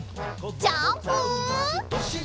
ジャンプ！